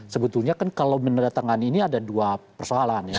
sebetulnya kan kalau menandatangani ini ada dua persoalan ya